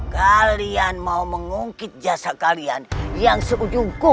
kalian mau mengungkit jasa kalian yang seujung kukuh